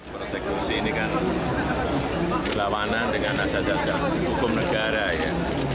persekusi ini kan berlawanan dengan asas asas hukum negara ya